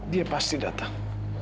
dia pasti datang